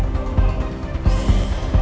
sebelum ke nanti